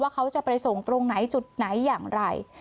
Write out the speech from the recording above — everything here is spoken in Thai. เขาจะไปส่งตรงไหนจุดไหนอย่างไร